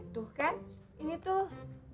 tuh kan ini tuh